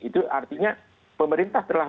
itu artinya pemerintah telah